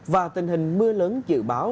và tình hình mưa lớn dự báo